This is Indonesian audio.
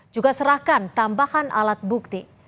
juga serahkan tambahan alat bukti